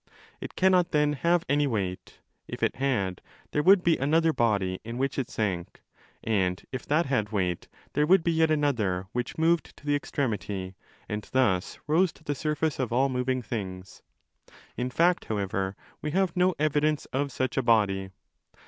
It cannot then have any weight. If it had, there would be 25. another body in which it sank: and if that had weight, there would be yet another which moved to the extremity and thus rose to the surface of all moving things.* In fact, however, we have no evidence of such a body.